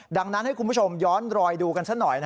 ดังนั้นให้คุณผู้ชมย้อนรอยดูกันซะหน่อย